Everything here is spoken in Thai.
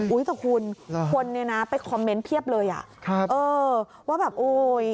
อุ๊ยสักคุณคนไปคอมเมนต์เพียบเลยอ่ะเออว่าแบบโอ๊ย